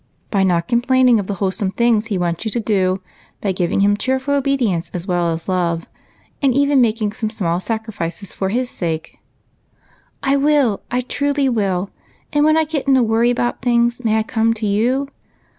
" By not complaining of the wholesome things he wants you to do ; by giving him cheerful obedience as well as love ; and even making some small sac rifices for his sake." 62 EIGHT COUSINS. "I will, I truly will! and when I get in a worry about things may I come to you?